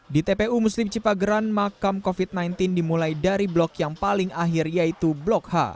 di tpu muslim cipageran makam covid sembilan belas dimulai dari blok yang paling akhir yaitu blok h